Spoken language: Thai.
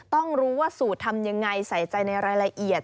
ต้องรู้ว่าสูตรทำยังไงใส่ใจในรายละเอียด